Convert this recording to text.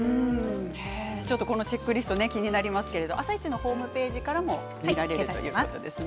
このチェックリスト気になりますけれど「あさイチ」のホームページからも見られるということです。